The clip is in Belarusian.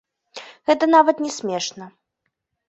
Гэта нават не смешна.